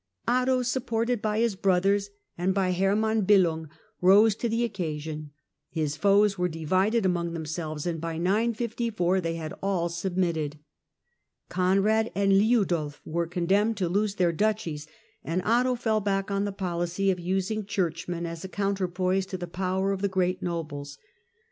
Otto, supported by his brothers and by Hermann Billung, rose to the occasion. His foes were divided among themselves, and by 954 they had all submitted. Conrad and Liudolf were condemned to lose their duchies, and Otto fell back on the policy of using churchmen as a counterpoise to the power of the great nobles.